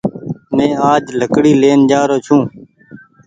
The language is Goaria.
آج مينٚ لهڪڙي لين جآرو ڇوٚنٚ